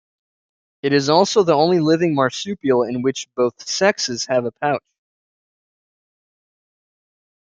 It is also the only living marsupial in which both sexes have a pouch.